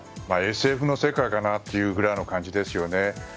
ＳＦの世界かなというぐらいの感じですよね。